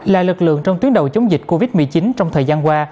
là lực lượng trong tuyến đầu chống dịch covid một mươi chín trong thời gian qua